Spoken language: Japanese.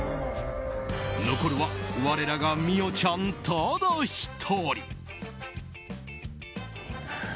残るは我らが美桜ちゃん、ただ１人。